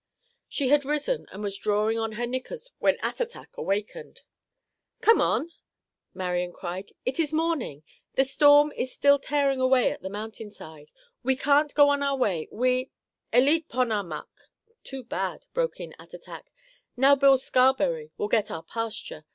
She had risen and was drawing on her knickers when Attatak awakened. "Come on," Marian cried, "it is morning. The storm is still tearing away at the mountain side. We can't go on our way. We—" "Eleet pon a muck!" (too bad), broke in Attatak. "Now Bill Scarberry will get our pasture.